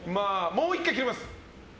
もう１回切れます。